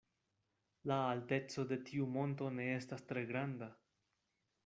La alteco de tiu monto ne estas tre granda.